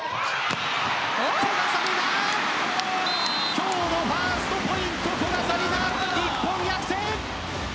今日のファーストポイント古賀紗理那、日本逆転。